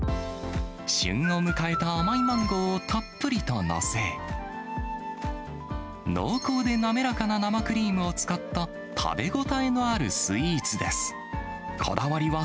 旬を迎えた甘いマンゴーをたっぷりと載せ、濃厚で滑らかな生クリームを使った食べ応えのあるスイーツです。